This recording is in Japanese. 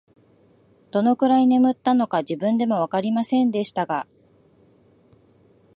どのくらい眠ったのか、自分でもわかりませんでしたが、